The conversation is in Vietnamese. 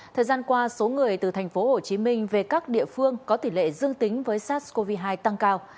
thời gian qua số người từ tp hcm về các địa phương có tỷ lệ dương tính với sars cov hai tăng cao